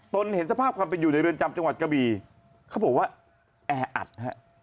ตนเห็นสภาพความเป็นอยู่ในเรือนจำจังหวัดกระบีเขาบอกว่าแออัดฮะ